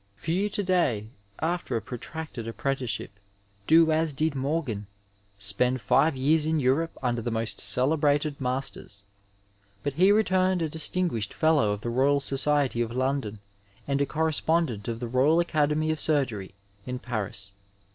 Few to day, after a protracted apprenticeship, do as did Morgan, spend five years in Europe under the most celebrated masters, but he returned a distinguished Fellow of the Boyal Society of London, and a Correspondent of the Royal Academy of Surgery in Paris.